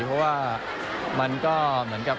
เพราะว่ามันก็